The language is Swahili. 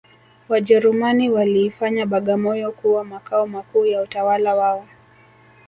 Wajerumani waliifanya bagamoyo kuwa makao makuu ya utawala wao